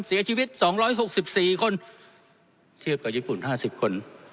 เสียชีวิตสองร้อยหกสิบสี่คนเทียบกับญี่ปุ่นห้าสิบคน